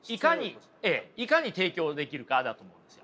いかに提供できるかだと思うんですよ。